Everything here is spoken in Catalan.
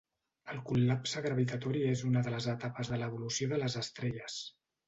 El col·lapse gravitatori és una de les etapes de l'evolució de les estrelles.